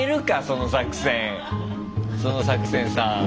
その作戦その作戦さ。